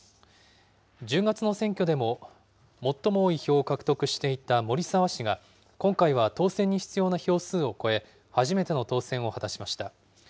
１０月の選挙でも、最も多い票を獲得していた森澤氏が、今回は当選に必要な票数を超え、初めての当選を果たしました。